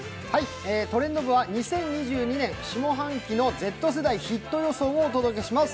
「トレンド部」は２０２２年下半期のＺ世代ヒット予測をお届けします。